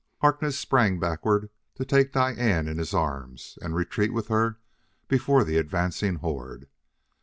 Harkness sprang backward to take Diane in his arms and retreat with her before the advancing horde.